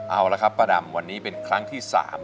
เอาละครับป้าดำวันนี้เป็นครั้งที่๓